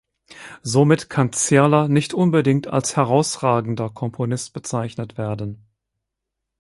Somit kann Zirler nicht unbedingt als herausragender Komponist bezeichnet werden.